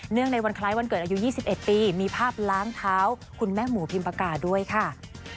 ในวันคล้ายวันเกิดอายุ๒๑ปีมีภาพล้างเท้าคุณแม่หมูพิมปากกาด้วยค่ะ